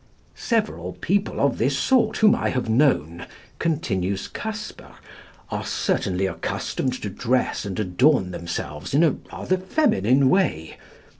Several men of this sort whom I have known (continues Casper) are certainly accustomed to dress and adorn themselves in a rather feminine way.